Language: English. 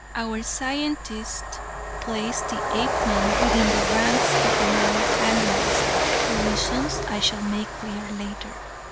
Our scientists placed the Apeman within the ranks of the lower animals for reasons I shall make clear later.